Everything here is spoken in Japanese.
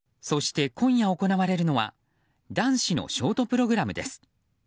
そして、今夜行われるのは男子のショートプログラムです。